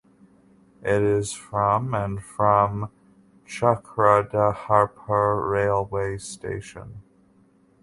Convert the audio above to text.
It is from and from Chakradharpur railway station.